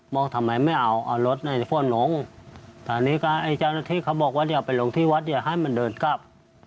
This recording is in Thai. มองทำไมไม่เอารถไอ้พวกน้องแต่อันนี้ก็ไอ้เจ้าหน้าที่เขาบอกว่าอย่าไปลงที่วัดอย่าให้มันเดินกลับ